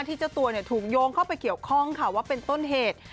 เจ้าตัวถูกโยงเข้าไปเกี่ยวข้องค่ะว่าเป็นต้นเหตุ